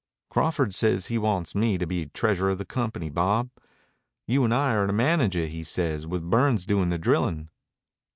"Crawford says he wants me to be treasurer of the company, Bob. You and I are to manage it, he says, with Burns doing the drilling."